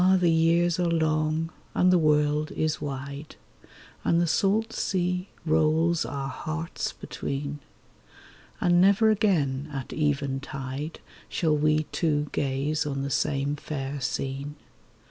the years are long, and the world is wide, And the salt sea rolls our hearts between ; And never again at eventide Shall we two gaze on the same fair scene.